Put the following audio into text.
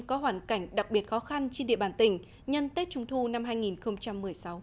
có hoàn cảnh đặc biệt khó khăn trên địa bàn tỉnh nhân tết trung thu năm hai nghìn một mươi sáu